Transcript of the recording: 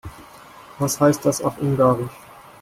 Was heißt das auf Ungarisch?